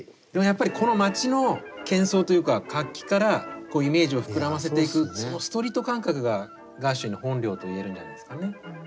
でもやっぱりこの街のけん騒というか活気からこうイメージを膨らませていくそのストリート感覚がガーシュウィンの本領と言えるんじゃないですかね。